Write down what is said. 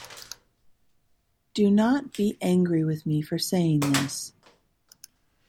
Do not be angry with me for saying this.